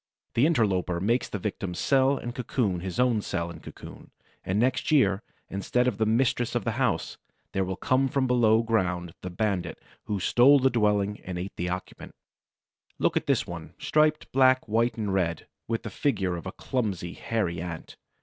The interloper makes the victim's cell and cocoon his own cell and cocoon; and next year, instead of the mistress of the house, there will come from below ground the bandit who stole the dwelling and ate the occupant. Look at this one, striped black, white, and red, with the figure of a clumsy, hairy Ant.